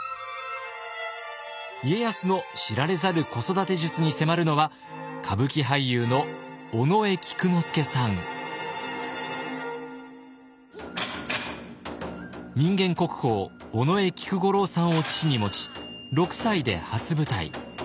家康の知られざる子育て術に迫るのは人間国宝尾上菊五郎さんを父に持ち６歳で初舞台。